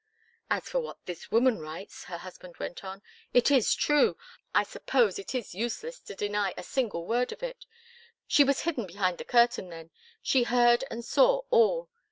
"As for what this woman writes," her husband went on, "it is true. I suppose it is useless to deny a single word of it. She was hidden behind the curtain, then! She heard and saw all!